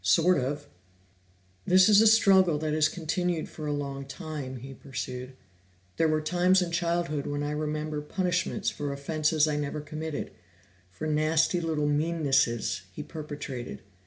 "Sort of." "This is a struggle that has continued for a long time," he pursued. "There were times in childhood when I remember punishments for offenses I never committed, for nasty little meannesses he perpetrated.